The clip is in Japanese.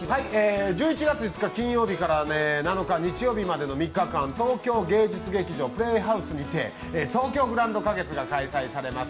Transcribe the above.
１１月５日金曜日から７日日曜日までの３日間、東京芸術劇場プレイハウスにて東京グランド花月が開催されます。